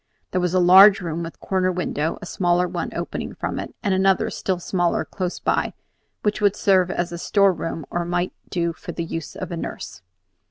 There was a large room with corner windows, a smaller one opening from it, and another, still smaller, close by, which would serve as a storeroom or might do for the use of a nurse.